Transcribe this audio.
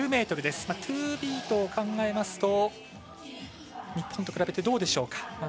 トゥービートを考えますと日本と比べてどうでしょうか。